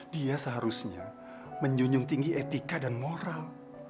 dia seharusnya menjunjung tinggi etika dan moral